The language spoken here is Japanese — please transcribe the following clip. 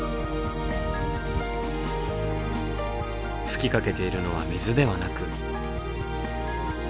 吹きかけているのは水ではなく。